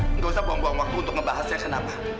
tidak usah buang buang waktu untuk membahasnya kenapa